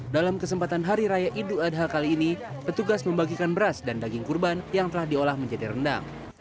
dalam kesempatan hari raya idul adha kali ini petugas membagikan beras dan daging kurban yang telah diolah menjadi rendang